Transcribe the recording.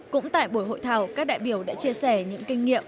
cũng tại buổi hội thảo các đại biểu đã chia sẻ những kinh nghiệm